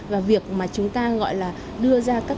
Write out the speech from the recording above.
và việc mà chúng ta gọi là đưa ra các